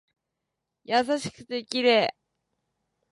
優しくて綺麗